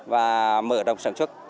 và mở rộng sản xuất